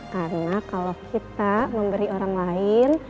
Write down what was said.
karena kalau kita memberi orang lain